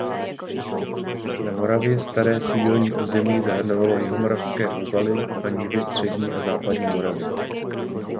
Na Moravě staré sídelní území zahrnovalo jihomoravské úvaly a nivy střední a západní Moravy.